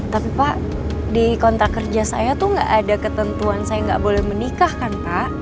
tapi pak di kontrak kerja saya tuh gak ada ketentuan saya nggak boleh menikah kan pak